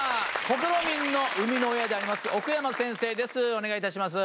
お願いいたします。